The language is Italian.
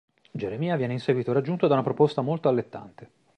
Geremia viene in seguito raggiunto da una proposta molto allettante.